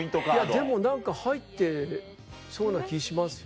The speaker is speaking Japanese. でも何か入ってそうな気しますよ。